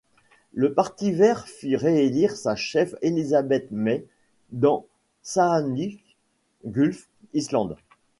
Le Parti vert fit ré-élire sa cheffe Elizabeth May dans Saanich-Gulf Islands.